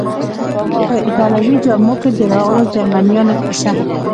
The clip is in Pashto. په ایټالوي جامو کې د راغلو جرمنیانو کیسه.